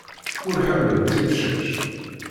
Ur ḥemmlent imcac.